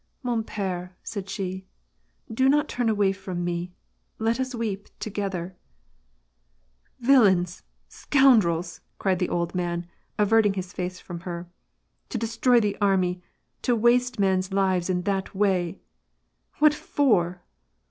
•" Man pere f " said she, " do not turn away from me ; let us weep together !" "Villains! scoundrels!" cried the old man, averting his face from her. " To destroy the army, to waste men's lives in that way ! What for